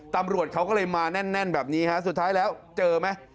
ตำรวจเขาก็เลยมาแน่นแบบนี้ฮะสุดท้ายแล้วเจอไหม